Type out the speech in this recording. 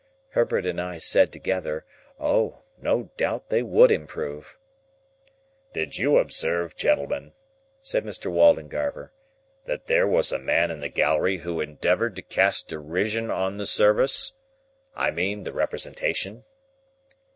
Herbert and I said together, O, no doubt they would improve. "Did you observe, gentlemen," said Mr. Waldengarver, "that there was a man in the gallery who endeavoured to cast derision on the service,—I mean, the representation?"